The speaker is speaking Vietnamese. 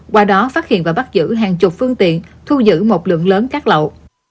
qua đó phát hiện và bắt giữ hàng chục phương tiện thu giữ một lượng lớn cát lậu